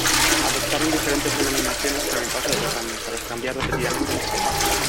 Adoptaron diferentes denominaciones con el paso de los años, tras cambiar repetidamente de sede.